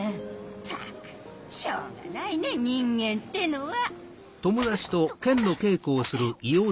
ったくしょうがないね人間ってのは。